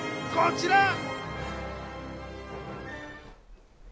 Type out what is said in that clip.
こちら！